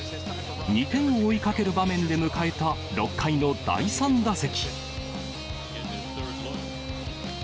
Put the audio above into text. ２点を追いかける場面で迎えた６回の第３打席。